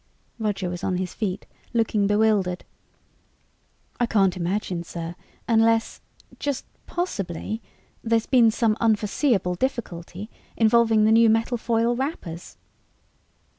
Roger was on his feet, looking bewildered. "I can't imagine, sir, unless just possibly there's been some unforeseeable difficulty involving the new metal foil wrappers."